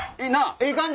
ええ感じ？